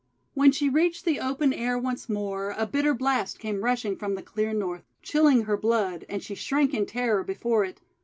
When she reached the open air once more, a bitter blast came rushing from the clear North, chilling her blood; and she shrank in terror before it.